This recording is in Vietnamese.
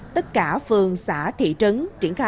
tất cả phường xã thị trấn